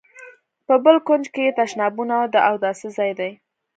په بل کونج کې یې تشنابونه او د اوداسه ځای دی.